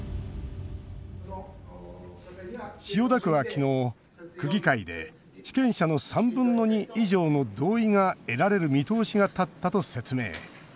千代田区は昨日、区議会で地権者の３分の２以上の同意が得られる見通しが立ったと説明。